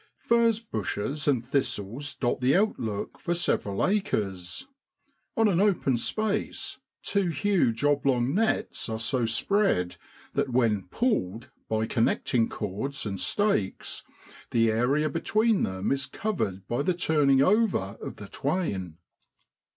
Furze bushes and thistles dot the outlook for several acres. On an open space two huge oblong nets are so spread that when ( pulled,' by connecting cords and stakes, the area between them is covered by the turning over of the twain.